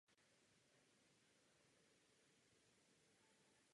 Navíc hvězda vykazuje určité odchylky od předpokládaných modelů.